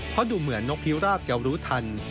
เพราะดูเหมือนนกพิราบจะรู้ทัน